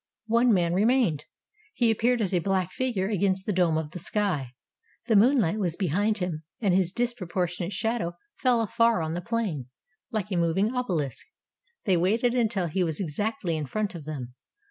One man remained. He appeared as a black figure against the dome of the sky ; the moonlight was behind him, and his disproportionate shadow fell afar on the plain, like a moving obeHsk. They waited until he was exactly in front of them.